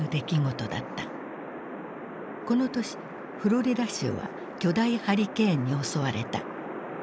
この年フロリダ州は巨大ハリケーンに襲われた。